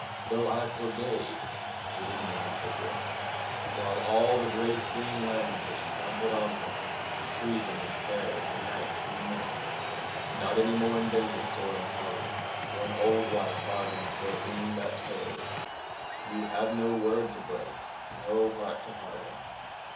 Though I forgave, would any man forget? While all the great green land has trampled on her The treason and terror of the night we met. Not any more in vengeance or in pardon, One old wife bargains for a bean that's hers. You have no word to break: no heart to harden.